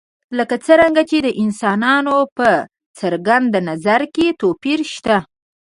لکه څرنګه چې د انسانانو په څرګند نظر کې توپیر شته.